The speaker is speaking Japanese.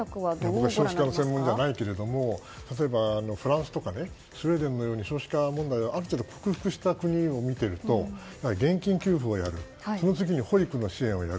私は少子化の専門じゃないけどフランスとかスウェーデンのように少子化問題をある程度克服した国を見ると現金給付をするその次に保育の支援をする。